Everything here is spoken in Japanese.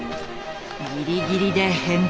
ギリギリで変更。